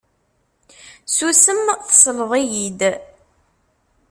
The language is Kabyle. Susem, tesleḍ-iyi-d.